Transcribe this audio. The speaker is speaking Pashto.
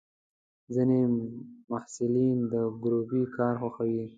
ځینې محصلین د ګروپي کار خوښوي.